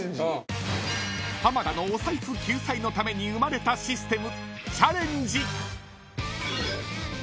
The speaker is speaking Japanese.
［浜田のお財布救済のために生まれたシステム］